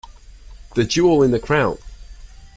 The jewel in the crown.